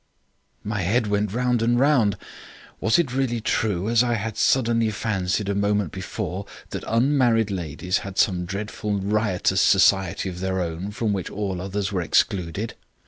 "My head went round and round. Was it really true, as I had suddenly fancied a moment before, that unmarried ladies had some dreadful riotous society of their own from which all others were excluded?